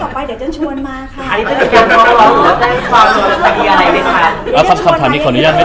ขอให้คู่กรณีออกมาเป็นคนตอบต่อไปยิ่งดีกว่าครับ